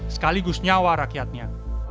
sekaligus nyawa rakyatnya